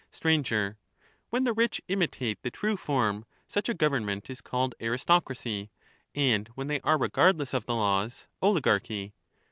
Statesman, Sir, When the rich imitate the true form, such a govern Stranob*, ment is called aristocracy ; and when they are regardless of ^^*J^tes. the laws, oligarchy.